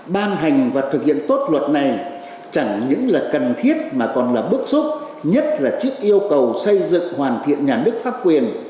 ban hành và thực hiện tốt luật này chẳng những là cần thiết mà còn là bước xúc nhất là trước yêu cầu xây dựng hoàn thiện nhà nước pháp quyền